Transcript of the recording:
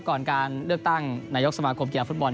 ก่อนการเลือกตั้งนายกสมาคมกีฬาฟุตบอล